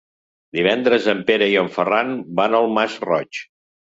Divendres en Pere i en Ferran van al Masroig.